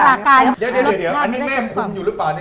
เดี๋ยวอันนี้แม่คุมอยู่หรือเปล่าเนี่ย